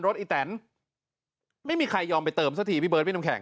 อีแตนไม่มีใครยอมไปเติมสักทีพี่เบิร์ดพี่น้ำแข